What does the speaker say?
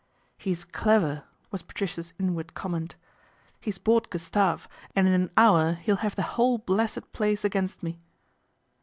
" He's clever," was Patricia's inward comment. 1 He's bought Gustave, and in an hour he'll have the whole blessed place against me."